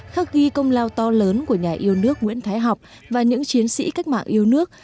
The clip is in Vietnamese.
khắc ghi công lao to lớn của nhà yêu nước nguyễn thái học và những chiến sĩ cách mạng yêu nước